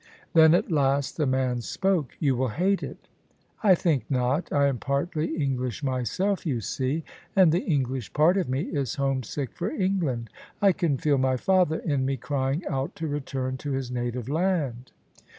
Then at last the man spoke. " You will hate it." " I think not. I am partly English myself, you see, and the English part of me is homesick for England. I can feel my father in me crying out to return to his native land."